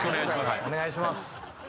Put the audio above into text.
お願いします。